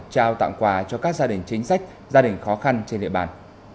trao tặng quà cho các gia đình chính sách gia đình khó khăn trên địa bàn